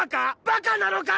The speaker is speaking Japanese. バカなのか！？